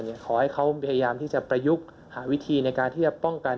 ขอให้เขาพยายามที่จะประยุกต์หาวิธีในการที่จะป้องกัน